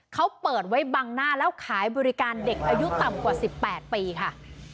เขาเปิดไว้บังหน้าแล้วขายบริการเด็กอายุต่ำกว่า๑๘ปีค่ะ